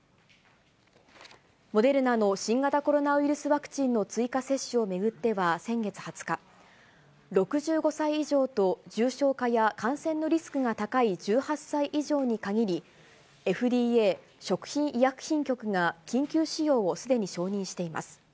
モデルナの新型コロナウイルスワクチンの追加接種を巡っては先月２０日、６５歳以上と重症化や感染のリスクが高い１８歳以上に限り、ＦＤＡ・食品医薬品局が緊急使用をすでに承認しています。